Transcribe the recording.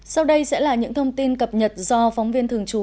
sau đây sẽ là những thông tin cập nhật do phóng viên thường trú